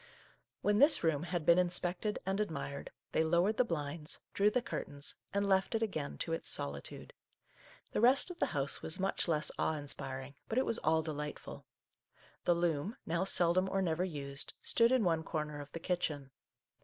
1 ' When this room had been inspected and admired, they lowered the blinds, drew the curtains, and left it again to its solitude. The Our Little Canadian Cousin 1 1 1 rest of the house was much less awe inspiring, but it was all delightful. The loom, now seldom or never used, stood in one corner of the kitchen.